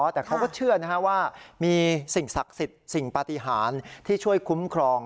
แต่เขาก็เชื่อว่ามีสิ่งศักดิ์สิทธิ์สิ่งปฏิหารที่ช่วยคุ้มครอง